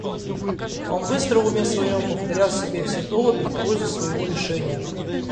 Он быстро в уме своем повторял себе все доводы в пользу своего решения.